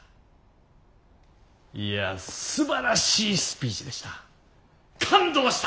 いやすばらしいスピーチでした。